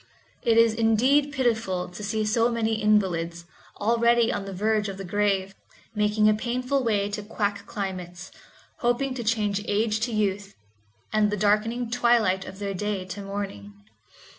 It is indeed pitiful to see so many invalids, already on the verge of the grave, making a painful way to quack climates, hoping to change age to youth, and the darkening twilight of their day to morning.